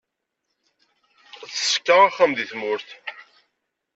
Teṣka axxam deg tmurt.